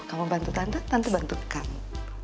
kamu bantu tante tante bantu kamu